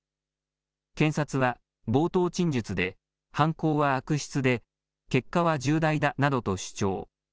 検察は冒頭陳述で犯行は悪質で結果は重大だなどと主張。